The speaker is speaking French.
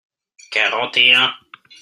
quarante et un.